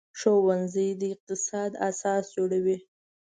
ښوونځی د اقتصاد اساس جوړوي